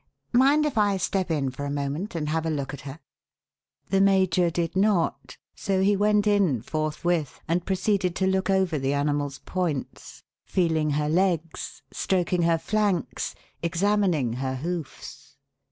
Mind if I step in for a moment and have a look at her?" The major did not, so he went in forthwith and proceeded to look over the animal's points feeling her legs, stroking her flanks, examining her hoofs.